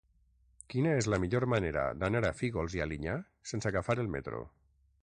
Quina és la millor manera d'anar a Fígols i Alinyà sense agafar el metro?